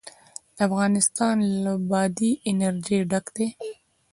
افغانستان له بادي انرژي ډک دی.